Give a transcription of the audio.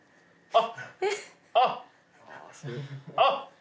あっ！